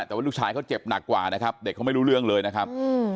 แต่ว่าลูกชายเขาเจ็บหนักกว่านะครับเด็กเขาไม่รู้เรื่องเลยนะครับ